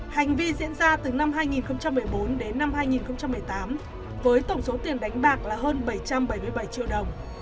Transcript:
hành vi diễn ra từ năm hai nghìn một mươi bốn đến năm hai nghìn một mươi tám với tổng số tiền đánh bạc là hơn bảy trăm bảy mươi bảy triệu đồng